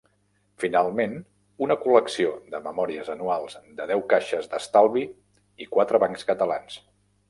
Finalment, una col·lecció de memòries anuals de deu caixes d'estalvi i quatre bancs catalans.